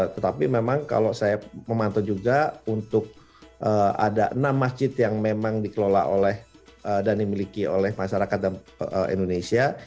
tetapi memang kalau saya memantau juga untuk ada enam masjid yang memang dikelola oleh dan dimiliki oleh masyarakat indonesia